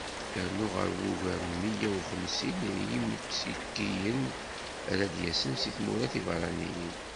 Rnu ɣer wugar n miyya u xemsin n yimttekkiyen ara d-yasen seg tmura tiberraniyin.